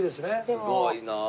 すごいなあ。